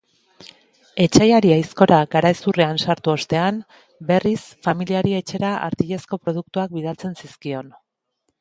Etsaiari aizkora garezurrean sartu ostean, berriz, familiari etxera artilezko produktuak bidaltzen zizkion.